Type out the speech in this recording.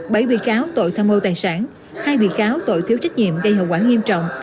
bảy bị cáo tội tham mô tài sản hai bị cáo tội thiếu trách nhiệm gây hậu quả nghiêm trọng